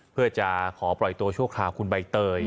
เพื่อจะขอปล่อยตัวชั่วคราวคุณใบเตย